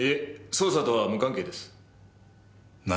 捜査とは無関係です。何？